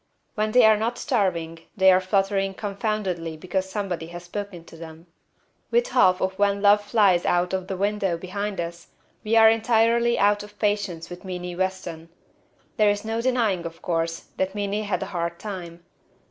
When they are not starving they are fluttering confoundedly because somebody has spoken to them. With half of When Love Flies Out o' the Window behind us, we are entirely out of patience with Meenie Weston. There is no denying, of course, that Meenie had a hard time.